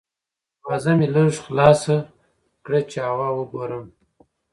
دروازه مې لږه خلاصه کړه چې هوا وګورم.